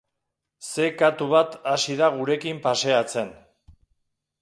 Ze katu bat hasi da gurekin paseatzen.